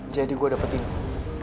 jadi gua dapet info